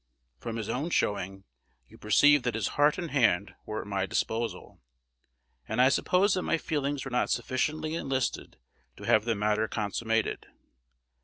From his own showing, you perceive that his heart and hand were at my disposal; and I suppose that my feelings were not sufficiently enlisted to have the matter consummated.